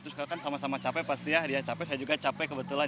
terus kan sama sama capek pasti ya dia capek saya juga capek kebetulan